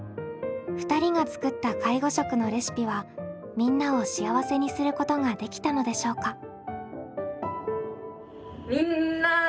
２人が作った介護食のレシピはみんなを幸せにすることができたのでしょうか？